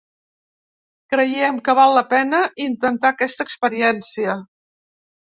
Creiem que val la pena intentar aquesta experiència.